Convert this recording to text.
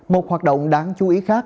một hoạt động đáng chú ý khác